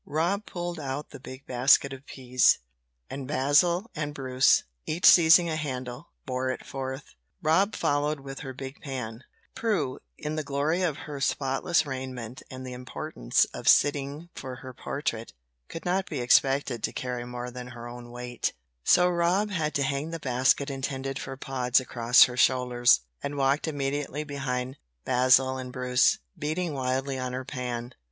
Rob pulled out the big basket of peas, and Basil and Bruce, each seizing a handle, bore it forth. Rob followed with her big pan; Prue, in the glory of her spotless raiment and the importance of sitting for her portrait, could not be expected to carry more than her own weight, so Rob had to hang the basket intended for pods across her shoulders, and walked immediately behind Basil and Bruce, beating wildly on her pan.